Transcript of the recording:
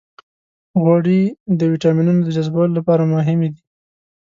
غوړې د ویټامینونو د جذبولو لپاره مهمې دي.